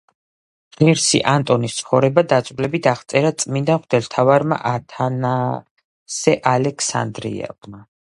ღირსი ანტონის ცხოვრება დაწვრილებით აღწერა წმიდა მღვდელმთავარმა ათანასე ალექსანდრიელმა.